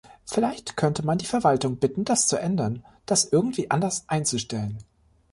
Vielleicht könnte man die Verwaltung bitten, das zu ändern, das irgendwie anders einzustellen.